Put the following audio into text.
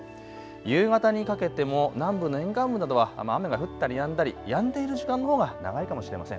夕方にかけても南部の沿岸部などは雨が降ったりやんだり、やんでいる時間のほうが長いかもしれません。